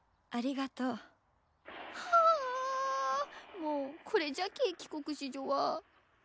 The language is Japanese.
もうこれじゃけえ帰国子女は。